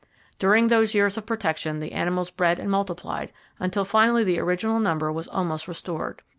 During those years of protection, the animals bred and multiplied, until finally the original number was almost restored.